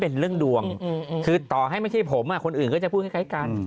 เป็นเรื่องดวงคือต่อให้ไม่ใช่ผมคนอื่นก็จะพูดคล้ายกัน